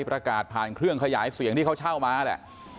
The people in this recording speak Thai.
ประกาศผ่านเครื่องขยายเสียงที่เขาเช่ามาแหละ